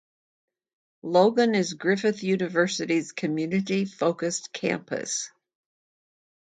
Logan is Griffith University's community-focused campus.